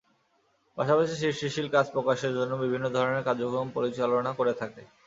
পাশাপাশি সৃষ্টিশীল কাজ প্রকাশের জন্য বিভিন্ন ধরনের কার্যক্রম পরিচালনা করে থাকে।